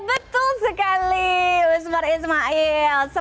betul sekali usmar ismail